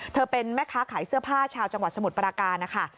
เป็นแม่ค้าขายเสื้อผ้าชาวจังหวัดสมุทรปราการนะคะ